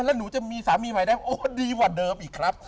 อ้าวแล้วหนูจะมีสามีใหม่ดีกว่าเดิมอีกครับ